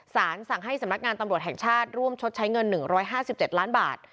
สารส่งให้สำนักงานตำรวชแข่งชาติร่วมชดใช้เงินหนึ่งร้อยห้าสิบเจ็ดล้านบาท